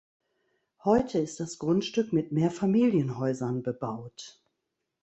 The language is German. Heute ist das Grundstück mit Mehrfamilienhäusern bebaut.